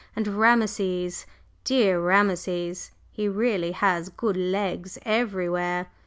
And Rameses dear Rameses! He really has good legs everywhere!